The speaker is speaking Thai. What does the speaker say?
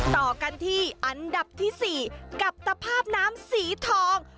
ต่อกันที่อันดับที่๔กับตภาพน้ำสีทอง